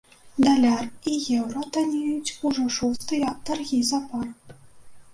Даляр і еўра таннеюць ўжо шостыя таргі запар.